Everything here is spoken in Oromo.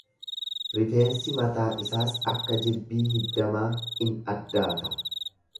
rifeensi mataa isaas akka jirbii hiddamaa in addaata;